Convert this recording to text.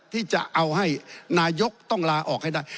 ที่จะเอาให้นายกต้องลาออกให้ได้